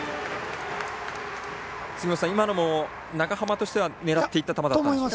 杉本さん、今のも長濱としては狙っていた球だったんですかね。